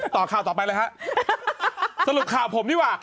ต่อข่าวต่อไปเลยฮะสรุปข่าวผมดีกว่า